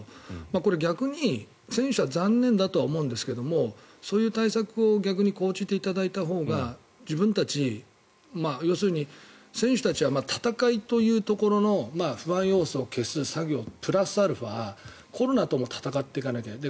これ、逆に選手は残念だとは思うんですけどそういう対策を逆に講じていただいたほうが自分たち要するに選手たちは戦いというところの不安要素を消す作業プラスアルファコロナとも闘っていかないといけない。